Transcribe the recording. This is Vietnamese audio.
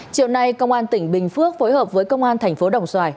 chiều nay công an tỉnh bình phước phối hợp với công an thành phố đồng xoài